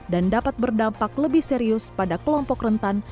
dan dapat berdampak lebih serius pada kelompok rentan